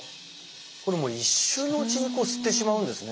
これもう一瞬のうちに吸ってしまうんですね。